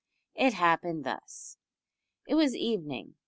It happened thus: It was evening.